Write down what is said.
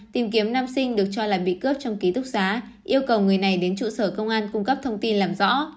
tìm kiếm nam sinh được cho là bị cướp trong ký túc xá yêu cầu người này đến trụ sở công an cung cấp thông tin làm rõ